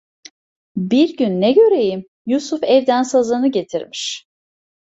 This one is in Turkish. Bir gün ne göreyim, Yusuf evden sazını getirmiş.